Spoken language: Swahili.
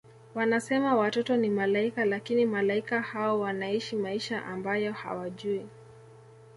Wanasema watoto ni Malaika lakini Malaika hao wanaishi maisha ambayo hawajui